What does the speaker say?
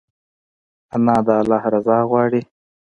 انا د الله رضا غواړي